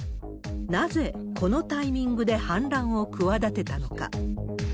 なぜこのタイミングで反乱を企てたのか。